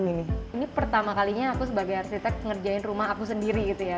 ini pertama kalinya segera ngerjain rumah aku sendiri gitu gitu ya